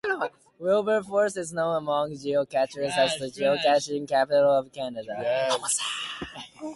Wilberforce is known among geocachers as the Geocaching Capital of Canada.